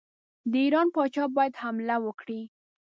د ایران پاچا باید حمله وکړي.